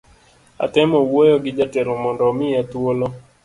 Atemo wuoyo gi jatelo mondo omiya thuolo